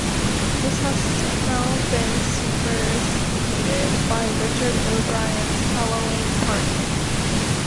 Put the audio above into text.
This has now been superseded by "Richard O'Brien's Halloween Party".